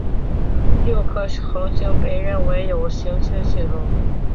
六颗恒星被认为有行星系统。